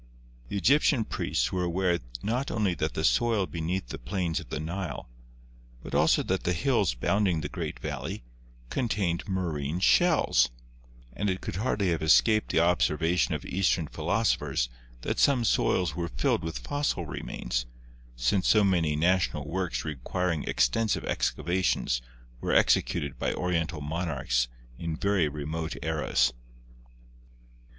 The Egyptian priests were aware not only that the soil beneath the plains of the Nile, but that also the hills bounding the great valley, contained marine shells, and it could hardly have escaped the observation of Eastern phi losophers that some soils were filled with fossil remains, since so many national works requiring extensive excava tions were executed by Oriental monarchs in very remote eras.